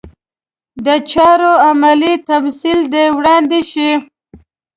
د چارو عملي تمثیل دې وړاندې شي.